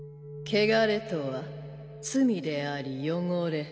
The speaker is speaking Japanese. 穢れとは罪であり汚れ。